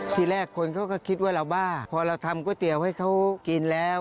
ทีแรกคนเขาก็คิดว่าเราบ้าพอเราทำก๋วยเตี๋ยวให้เขากินแล้ว